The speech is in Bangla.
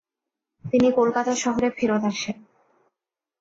তিনি কলকাতা শহরে ফেরৎ আসেন।